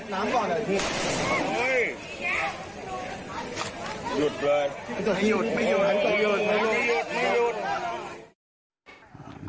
นี่ค่ะ